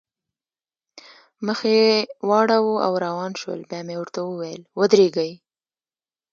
مخ یې واړاوه او روان شول، بیا مې ورته وویل: ودرېږئ.